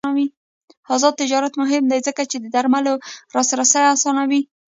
آزاد تجارت مهم دی ځکه چې د درملو لاسرسی اسانوي.